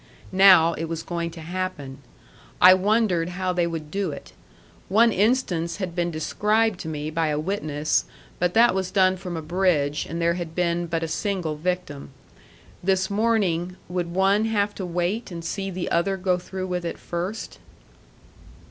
Now it was going to happen. I wondered how they would do it; one instance had been described to me by a witness, but that was done from a bridge, and there had been but a single victim. This morning, would one have to wait and see the other go through with it first?